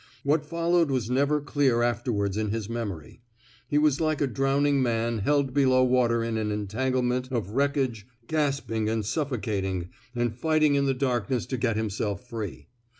What followed was never clear afterward in his memory. He was like a drowning man held below water in an entanglement of 166 COERIGAN'S PROMOTION wreckage, gasping, suffocating, and fight ing in the darkness to get himself free.